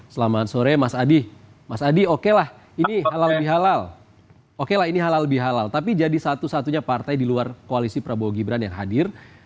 selamat sore mas adi mas adi oke lah ini halal bihalal oke lah ini halal bihalal tapi jadi satu satunya partai di luar koalisi prabowo gibran yang hadir